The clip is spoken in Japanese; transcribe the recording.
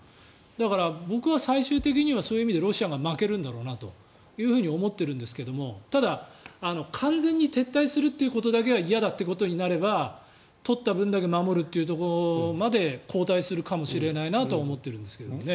だから僕は最終的にはロシアが負けるんだろうなと思っているんですけどただ、完全に撤退するということだけは嫌だということになれば取った分だけ守るというところまで後退するかもしれないなと思っているんですけどね。